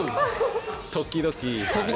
時々。